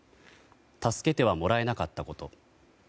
助けてはもらえなかったこと。